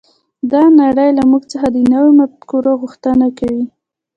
دا نړۍ له موږ څخه د نویو مفکورو غوښتنه کوي